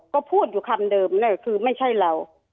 ก็พูดอยู่คำเดิมคือไม่ใช่เรา